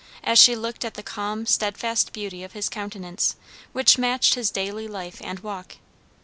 as she looked at the calm, stedfast beauty of his countenance, which matched his daily life and walk.